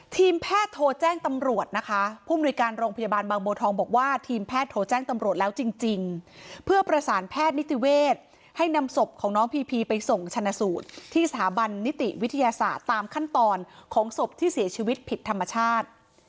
ทีมแพทย์โทรแจ้งตำรวจนะคะผู้มนุยการโรงพยาบาลบางโบทองบอกว่าทีมแพทย์โทรแจ้งตำรวจแล้วจริงเพื่อประสานแพทย์นิติเวศให้นำศพของน้องพีพีไปส่งชนะสูตรที่สถาบันนิติวิทยาศาสตร์ตามขั้นตอนของศพที่เสียชีวิตผิดธรรมชาติ